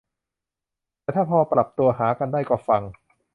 แต่ถ้าพอปรับตัวหากันได้ก็ฟัง